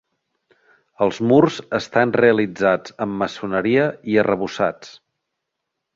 Els murs estan realitzats amb maçoneria i arrebossats.